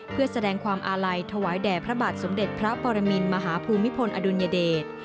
เพื่อแสดงความอาลัยถวายแด่พระบาทสมเด็จพระปรมินมหาภูมิพลอดุลยเดช